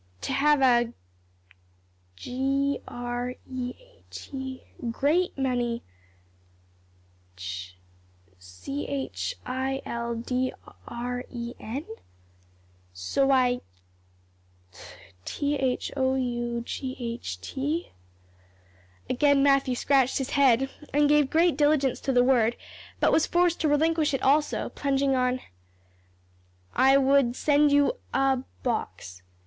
"'To have a g r e a t great many c h i l d r e n, so I t h o u g h t,'" again Matthew scratched his head and gave great diligence to the word, but was forced to relinquish it also, plunging on, "'I would send you a box.'"